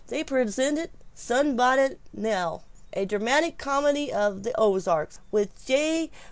They presented "Sunbonnet Nell: A Dramatic Comedy of the Ozarks," with J.